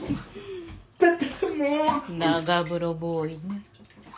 長風呂ボーイね。